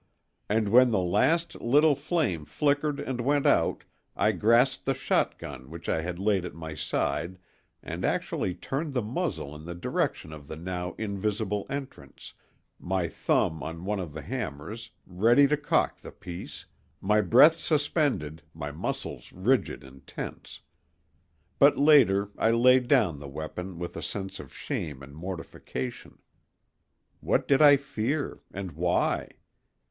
And when the last little flame flickered and went out I grasped the shotgun which I had laid at my side and actually turned the muzzle in the direction of the now invisible entrance, my thumb on one of the hammers, ready to cock the piece, my breath suspended, my muscles rigid and tense. But later I laid down the weapon with a sense of shame and mortification. What did I fear, and why?